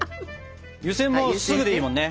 湯せんもすぐでいいもんね。